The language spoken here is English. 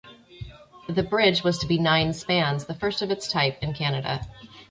The bridge was to be nine-spans, the first of its type in Canada.